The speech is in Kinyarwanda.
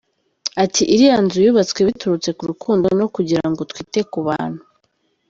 Ati “ Iriya nzu yubatswe biturutse ku rukundo no kugira ngo twite ku bantu.